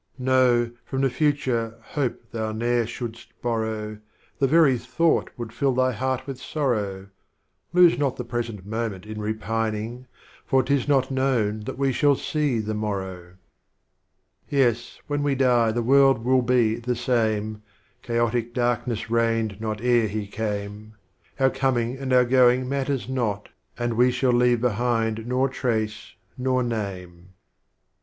No, From the Future, Hope thou ne'er shouldst borrow. The very Thought would fill thy Heart with Sorrow, Lose not the Present Moment in Repining, For 't is not known that we shall see the Morrow. 20 Strophes of Omar Khayyam. Ye9, when we die the World will be the same, — Chaotic Darkness reigned not ere he came, — Our Coming and our Going matters not, And we shall leave behind nor Trace, nor Name.